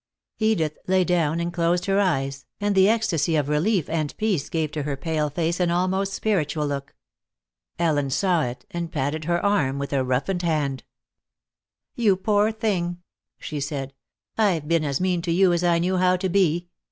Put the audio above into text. Edith lay down and closed her eyes, and the ecstasy of relief and peace gave to her pale face an almost spiritual look. Ellen saw it, and patted her arm with a roughened hand. "You poor thing!" she said. "I've been as mean to you as I knew how to be.